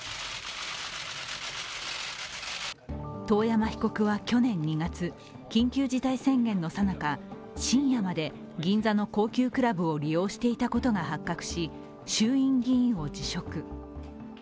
遠山被告は去年２月、緊急事態宣言のさなか、深夜まで銀座の高級クラブを利用していたことが発覚し衆院議員を辞職。